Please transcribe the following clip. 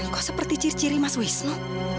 engkau seperti ciri ciri mas wisnu